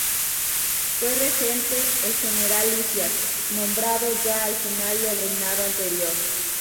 Fue regente el general Lisias, nombrado ya al final del reinado anterior.